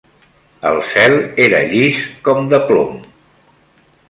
El cel era llis com de plom